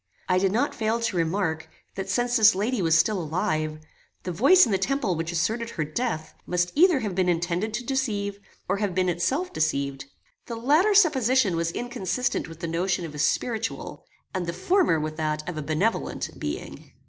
I did not fail to remark, that since this lady was still alive, the voice in the temple which asserted her death, must either have been intended to deceive, or have been itself deceived. The latter supposition was inconsistent with the notion of a spiritual, and the former with that of a benevolent being.